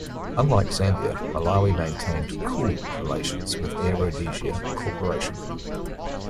Unlike Zambia, Malawi maintained 'cool' relations with Air Rhodesia Corporation.